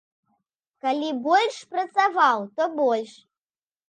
Калі больш працаваў, то больш.